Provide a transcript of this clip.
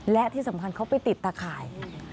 และที่สำคัญเขาไปติดตะข่าย